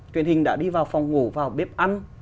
truyền hình đã đi vào phòng ngủ vào bếp ăn